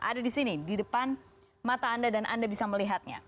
ada di sini di depan mata anda dan anda bisa melihatnya